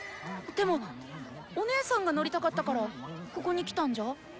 でもお姉さんが乗りたかったからここに来たんじゃ？